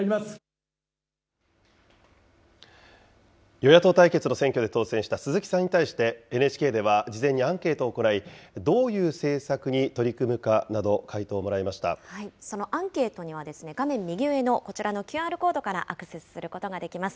与野党対決の選挙で当選した鈴木さんに対して、ＮＨＫでは事前にアンケートを行い、どういう政策に取り組むかなど、そのアンケートには、画面右上のこちらのＱＲコードからアクセスすることができます。